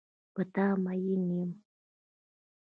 په تا مین یم.